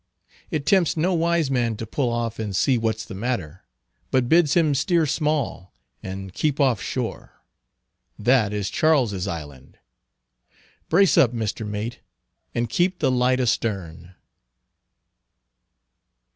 It tempts no wise man to pull off and see what's the matter, but bids him steer small and keep off shore—that is Charles's Island; brace up, Mr. Mate, and keep the light astern."